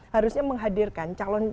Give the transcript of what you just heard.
harusnya menghadirkan calon